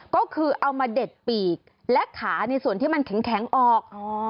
ก็คือเอามาเด็ดปีกและขาในส่วนที่มันแข็งออก